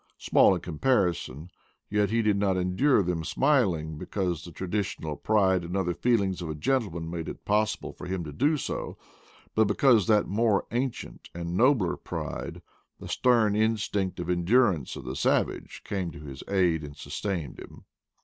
Small in comparison, yet he did not endure them smil ingly because the traditional pride and other feel ings of a gentleman made it possible for him to do so, but because that more ancient and nobler pride, the stern instinct of endurance of the sav age, came to his aid and sustained him.